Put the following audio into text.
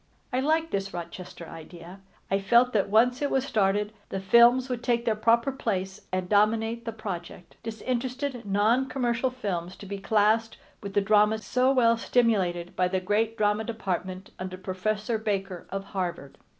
I liked this Rochester idea. I felt that once it was started the films would take their proper place and dominate the project, disinterested non commercial films to be classed with the dramas so well stimulated by the great drama department under Professor Baker of Harvard.